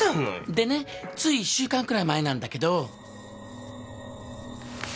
でねつい１週間くらい前なんだけど。